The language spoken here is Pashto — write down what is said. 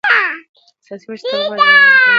سیاسي مشرتابه باید امانتدار وي